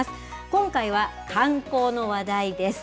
今回は観光の話題です。